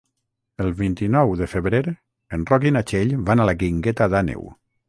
El vint-i-nou de febrer en Roc i na Txell van a la Guingueta d'Àneu.